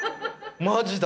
マジだ！